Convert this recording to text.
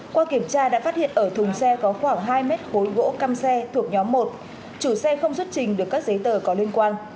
qua kiểm tra đã phát hiện ở thùng xe có khoảng hai mét khối gỗ cam xe thuộc nhóm một chủ xe không xuất trình được các giấy tờ có liên quan